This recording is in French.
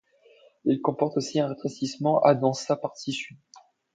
Il comporte aussi un rétrécissement à dans sa partie sud.